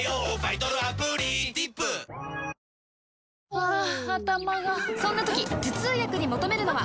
ハァ頭がそんな時頭痛薬に求めるのは？